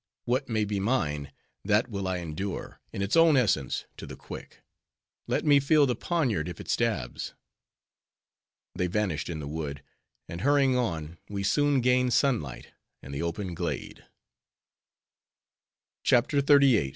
What may be mine, that will I endure, in its own essence to the quick. Let me feel the poniard if it stabs." They vanished in the wood; and hurrying on, we soon gained sun light, and the open glade. CHAPTER XXXVIII.